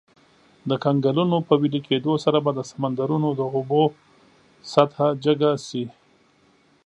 د کنګلونو په ویلي کیدو سره به د سمندرونو د اوبو سطحه جګه شي.